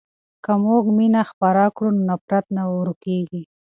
که موږ مینه خپره کړو نو نفرت ورکېږي.